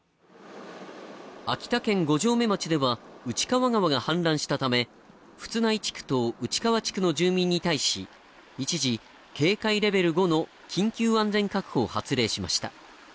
秋田県五城目町では内川川が氾濫したため富津内地区と内川地区の住民に対し、一時、警戒レベル５の緊急安全確保を発令しました。